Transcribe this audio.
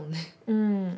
うん。